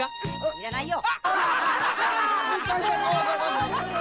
いらないよ！